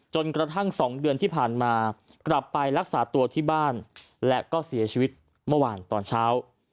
จนกระทั่ง๒เดือนที่ผ่านมากลับไปรักษาตัวที่บ้านและก็เสียชีวิตเมื่อวานตอนเช้า